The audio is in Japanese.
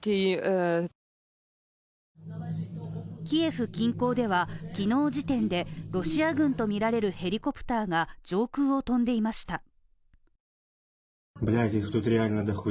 キエフ近郊では昨日時点でロシア軍とみられるヘリコプターが上空を飛んでいました。